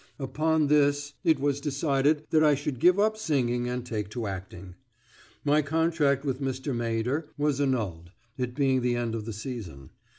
Upon this is was decided that I should give up singing and take to acting. My contract with Mr. Maeder was annulled, it being the end of the season.